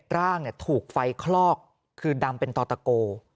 ๑๑ร่างเนี่ยถูกไฟคลอกคือดำเป็นตอตะโก